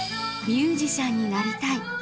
ミュージシャンになりたい。